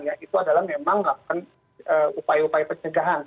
ya itu adalah memang melakukan upaya upaya pencegahan